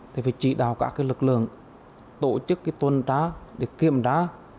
thì phải chỉ đào các lực lượng tổ chức tuân trá kiểm trá